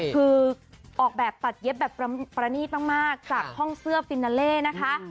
คือออกแบบตัดเย็บแบบประณีตมากจากห้องเสื้อฟินาเล่นะคะ